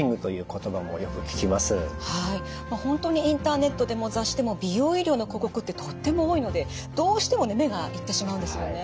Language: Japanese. はい本当にインターネットでも雑誌でも美容医療の広告ってとっても多いのでどうしても目が行ってしまうんですよね。